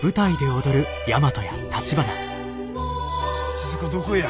鈴子どこや？